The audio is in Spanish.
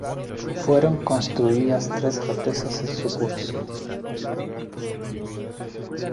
Fueron construidas tres represas en su curso.